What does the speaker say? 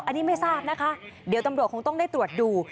อันนี้ไม่ทราบนะคะเดี๋ยวตำรวจคงต้องได้ตรวจดู